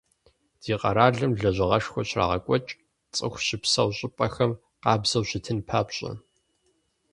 Ди къэралым лэжьыгъэшхуэ щрагъэкӀуэкӀ, цӀыху щыпсэу щӀыпӀэхэр къабзэу щытын папщӀэ.